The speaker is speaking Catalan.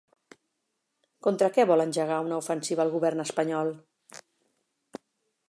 Contra què vol engegar una ofensiva el govern espanyol?